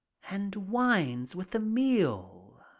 And wines with the meal